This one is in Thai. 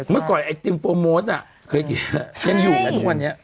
บางทีก็เปิดสนองนิดตัวเอง